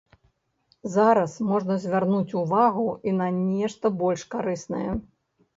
Зараз можна звярнуць увагу і на нешта больш карыснае.